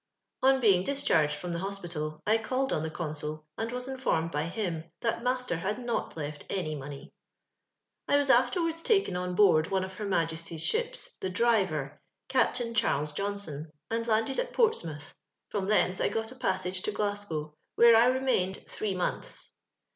On being discharged from the hospital I called on tho consul, und wus Informed by him that master had not left any money. " I was afterwards taken on board one of her Vi^esty's shii>s, the Drir^r, Captain Charles Johnston, and limded at Portsmouth ; from thence I got a patt sago to Olaugow, wai o I remained three months.